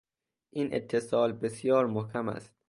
این اتصال بسیار محکم است